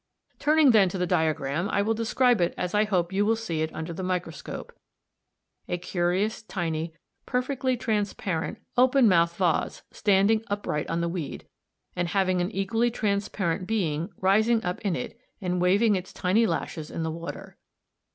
Turning then to the diagram (Fig. 68) I will describe it as I hope you will see it under the microscope a curious tiny, perfectly transparent open mouthed vase standing upright on the weed, and having an equally transparent being rising up in it and waving its tiny lashes in the water.